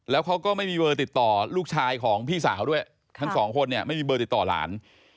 แล้วเขาก็ไม่มีเบอร์ติดต่อลูกชายของพี่สาวด้วยทั้งสองคนเนี่ยไม่มีเบอร์ติดต่อหลาน